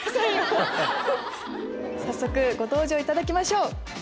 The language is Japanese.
早速ご登場いただきましょう。